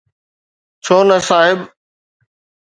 ڇو نه صاحب؟